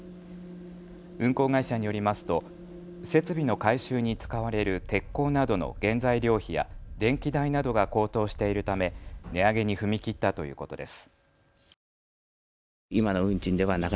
運行会社によりますと設備の改修に使われる鉄鋼などの原材料費や電気代などが高騰しているため値上げに踏み切ったということです。